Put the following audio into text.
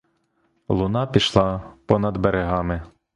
Луна пішла понад берегами.